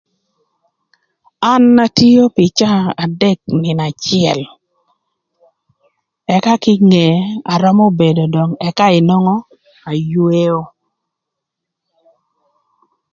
An atio pï caa adek nïnö acël, ëka kinge arömö bedo dök ëka nwongo dök ayweo.